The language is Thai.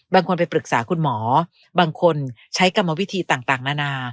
บางคนไปปรึกษาคุณหมอบางคนใช้กรรมวิธีต่างนานา